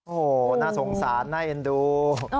โอ้โหน่าสงสารน่าเอ็นดู